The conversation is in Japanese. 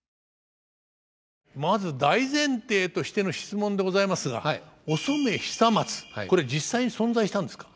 まず大前提としての質問でございますがお染久松これ実際に存在したんですか。